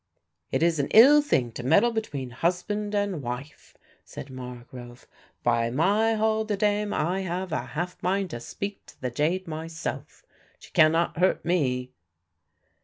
"It is an ill thing to meddle between husband and wife," said Margrove. "By my halidame I have a half mind to speak to the jade myself. She cannot hurt me."